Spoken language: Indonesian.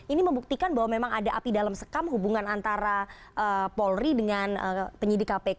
ini membuktikan bahwa memang ada api dalam sekam hubungan antara polri dengan penyidik kpk